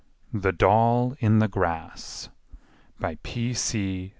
THE DOLL IN THE GRASS By P. C.